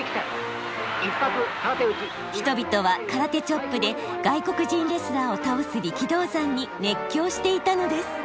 人々は空手チョップで外国人レスラーを倒す力道山に熱狂していたのです。